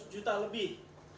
dua ratus juta lebih